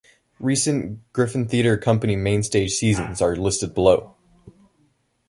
Recent Griffin Theatre Company mainstage seasons are listed below.